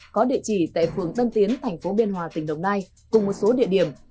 có địa chỉ tại phường tân tiến tp biên hòa tỉnh đồng nai cùng một số địa điểm